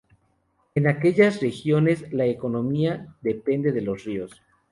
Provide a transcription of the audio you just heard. En aquellas regiones la economía depende de los ríos.